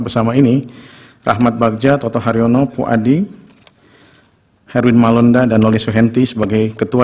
bersama ini rahmat bagja toto haryono puadi herwin malonda dan loli suhenti sebagai ketua